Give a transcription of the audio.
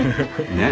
ねえ？